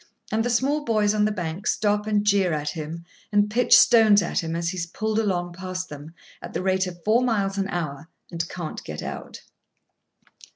And the small boys on the bank stop and jeer at him, and pitch stones at him as he is pulled along past them, at the rate of four miles an hour, and can't get out.